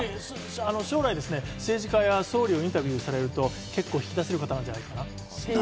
政治家や総理をインタビューすると結構引き出せる方なんじゃないかな？